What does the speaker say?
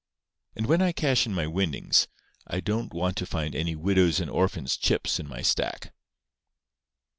And when I cash in my winnings, I don't want to find any widows' and orphans' chips in my stack."